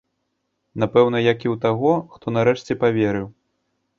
Напэўна, як і ў таго, хто нарэшце паверыў.